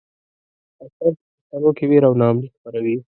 پاکستان په پښتنو کې وېره او ناامني خپروي.